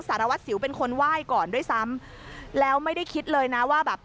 สารวัตรสิวเป็นคนไหว้ก่อนด้วยซ้ำแล้วไม่ได้คิดเลยนะว่าแบบ